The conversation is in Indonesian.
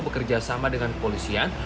bekerja sama dengan kepolisian